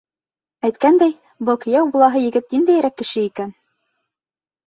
Әйткәндәй, был кейәү булаһы егет ниндәйерәк кеше икән?